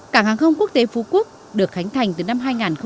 cảng hàng không quốc tế phú quốc được khánh thành từ năm hai nghìn một mươi